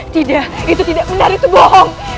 tidak itu tidak benar itu bohong